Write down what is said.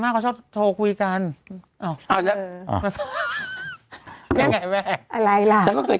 มากเขาชอบโทรคุยกันอ่าวเอาละเออว่าไงแม่อะไรล่ะฉันก็เคย